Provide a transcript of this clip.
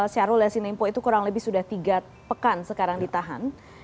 syarul laisinimpo itu kurang lebih sudah tiga pekan sekarang ditahan